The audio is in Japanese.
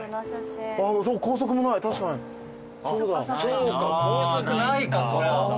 そうか高速ないかそりゃ。